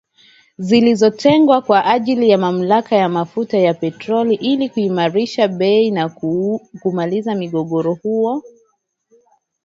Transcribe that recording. zilizotengwa kwa ajili ya mamlaka ya mafuta ya petroli ili kuimarisha bei na kumaliza mgogoro huo